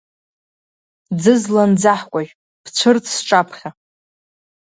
Ӡызлан-ӡаҳкәажә, бцәырҵ сҿаԥхьа!